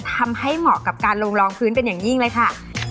เหมาะกับการลงรองพื้นเป็นอย่างยิ่งเลยค่ะ